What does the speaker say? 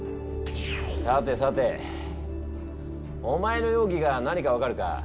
さてさてお前の容疑が何か分かるか？